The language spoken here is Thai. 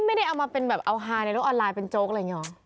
ไม่ได้เอามาเป็นแบบเอาฮาในโลกออนไลน์เป็นโจ๊กอะไรอย่างนี้หรอ